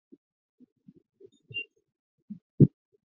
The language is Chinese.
有关建议遭批评为严重扭曲选民意愿及剥夺市民的补选权。